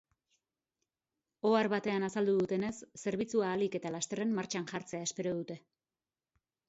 Ohar batean azaldu dutenez, zerbitzua ahalik eta lasterren martxan jartzea espero dute.